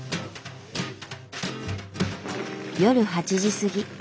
夜８時過ぎ。